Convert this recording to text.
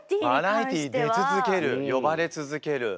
バラエティー出続ける呼ばれ続ける。